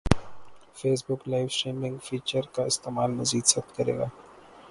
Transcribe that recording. face بک live streaming feature کا استعمال مزید سخت کریگا